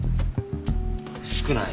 少ない。